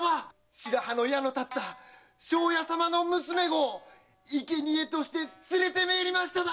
白羽の矢の立った庄屋様の娘御を生贄として連れてまいりましただ！